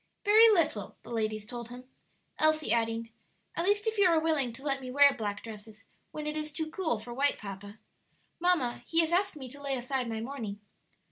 "Very little," the ladies told him, Elsie adding, "At least if you are willing to let me wear black dresses when it is too cool for white, papa. Mamma, he has asked me to lay aside my mourning."